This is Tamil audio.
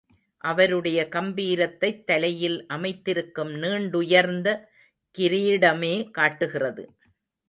அவருடைய கம்பீரத்தைத் தலையில் அமைந்திருக்கும் நீண்டுயர்ந்த கிரீடமே காட்டுகிறது.